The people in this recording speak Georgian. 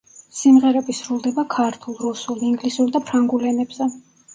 სიმღერები სრულდება ქართულ, რუსულ, ინგლისურ და ფრანგულ ენებზე.